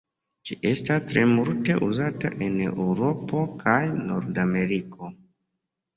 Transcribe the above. Ĝi estas tre multe uzata en Eŭropo kaj Norda Ameriko.